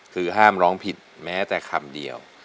คือห้ามร้องผิดแม้แต่คำเดียว